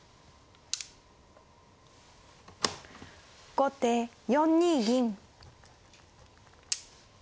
後手４二銀。